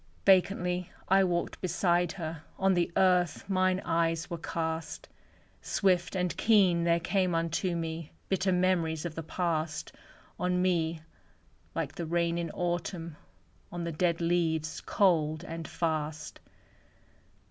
Vacantly I walked beside her. On the earth mine eyes were cast; Swift and keen there came unto me Ritter memories of the past On me, like the rain in Autumn On the dead leaves, cold and fast.